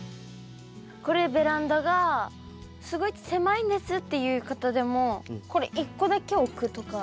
これ「ベランダがすごい狭いんです」っていう方でもこれ一個だけ置くとか。